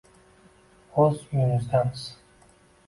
O‘z uyimizdamiz”